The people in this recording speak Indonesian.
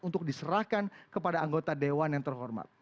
untuk diserahkan kepada anggota dewan yang terhormat